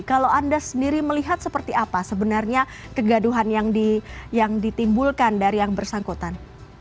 kalau anda sendiri melihat seperti apa sebenarnya kegaduhan yang ditimbulkan dari yang bersangkutan